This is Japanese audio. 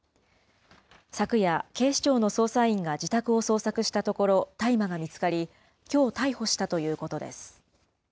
昨夜、警視庁の捜査員が自宅を捜索したところ、大麻が見つかり、きょう逮捕したということです。